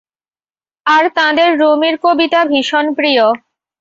আর তাঁদের রুমির কবিতা ভীষণ প্রিয়।